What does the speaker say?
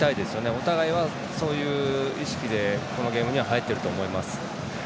お互い、そういう意識でこのゲームに入ってると思います。